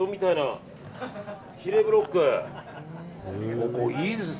ここいいですね。